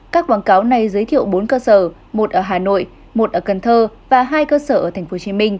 các quảng cáo này giới thiệu bốn cơ sở một ở hà nội một ở cần thơ và hai cơ sở ở tp hcm